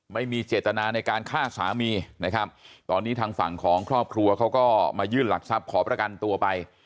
ไม่มีเจตนาในการฆ่าสามีนะครับตอนนี้ทางฝั่งของครอบครัวเขาก็มายื่นหลักทรัพย์ขอประกันตัวไป